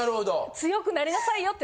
強くなりなさいよって。